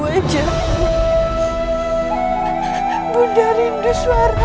siapa orang itu sebenarnya